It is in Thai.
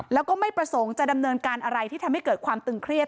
แล้วก็ไม่ประสงค์จะดำเนินการอะไรที่ทำให้เกิดความตึงเครียด